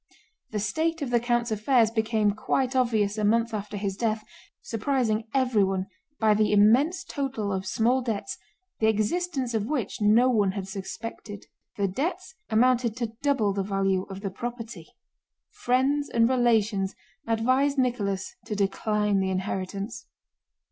The state of the count's affairs became quite obvious a month after his death, surprising everyone by the immense total of small debts the existence of which no one had suspected. The debts amounted to double the value of the property. Friends and relations advised Nicholas to decline the inheritance.